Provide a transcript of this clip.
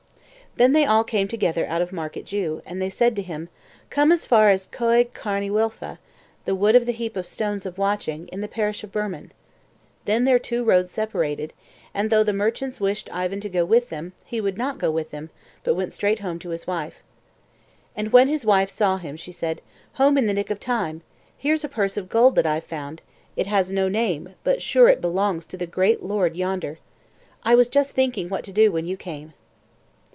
Then they came all together out of Market Jew, and they said to him: "Come as far as Coed Carrn y Wylfa, the Wood of the Heap of Stones of Watching, in the parish of Burman." Then their two roads separated, and though the merchants wished Ivan to go with them, he would not go with them, but went straight home to his wife. And when his wife saw him she said: "Home in the nick of time. Here's a purse of gold that I've found; it has no name, but sure it belongs to the great lord yonder. I was just thinking what to do when you came."